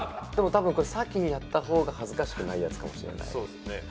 多分これ先にやった方が恥ずかしくないやつかもしれないそうですね